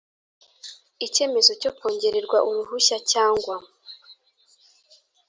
Icyemezo cyo kongererwa uruhushya cyangwa